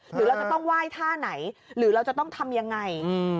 หรือเราจะต้องไหว้ท่าไหนหรือเราจะต้องทำยังไง